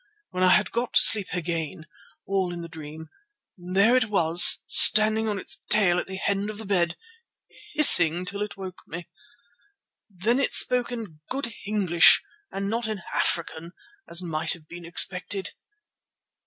When I had got to sleep again, all in the dream, there it was standing on its tail at the end of the bed, hissing till it woke me. Then it spoke in good English and not in African as might have been expected.